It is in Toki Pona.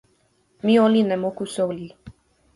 mi olin e moku soweli.